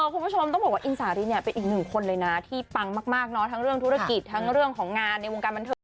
คุณผู้ชมต้องบอกว่าอินสารินเนี่ยเป็นอีกหนึ่งคนเลยนะที่ปังมากทั้งเรื่องธุรกิจทั้งเรื่องของงานในวงการบันเทิง